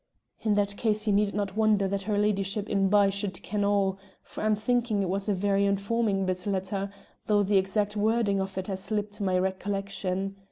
"In that case ye need not wonder that her ladyship inby should ken all, for I'm thinking it was a very informing bit letter, though the exact wording of it has slipped my recollection.